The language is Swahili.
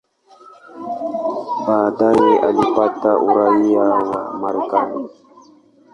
Baadaye alipata uraia wa Marekani.